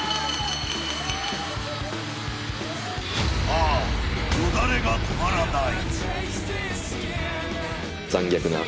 ああ、よだれが止まらない。